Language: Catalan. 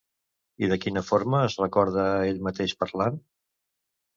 I de quina forma es recorda a ell mateix parlant?